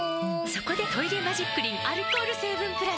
そこで「トイレマジックリン」アルコール成分プラス！